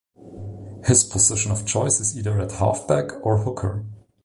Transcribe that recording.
His position of choice is either at half-back or hooker.